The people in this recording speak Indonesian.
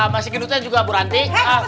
masih gendut aja juga bu ranti